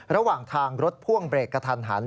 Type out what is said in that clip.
ระหว่างทางรถพ่วงเบรกกระทันหัน